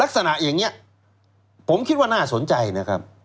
ลักษณะอย่างนี้ผมคิดว่าน่าสนใจนะครับ